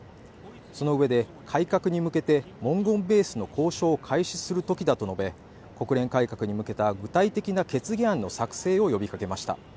そのうえで改革に向けて文言ベースの交渉を開始するときだと述べ国連改革に向けた具体的な決議案の作成を呼びかけました